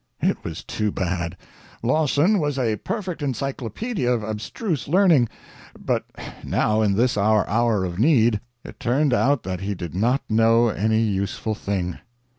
It was too bad. Lawson was a perfect encyclopedia of abstruse learning; but now in this hour of our need, it turned out that he did not know any useful thing.